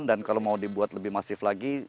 dan kalau mau dibuat lebih masif lagi